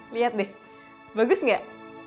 lihat deh bagus nggak